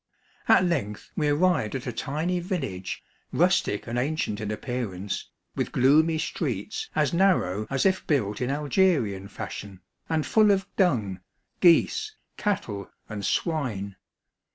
At length we arrived at a tiny village, rustic and ancient in appearance, with gloomy streets as narrow as if built in Alge rian fashion, and full of dung, geese, cattle, and swine.